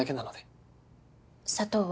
砂糖は？